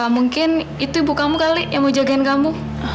mungkin itu ibu kamu kali yang mau jagain kamu